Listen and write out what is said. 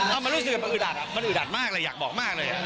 เอามันรู้สึกมันอึดอัดมันอึดอัดมากเลยอยากบอกมากเลย